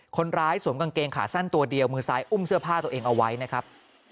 สวมกางเกงขาสั้นตัวเดียวมือซ้ายอุ้มเสื้อผ้าตัวเองเอาไว้นะครับ